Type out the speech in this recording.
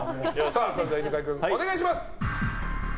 それでは犬飼君、お願いします。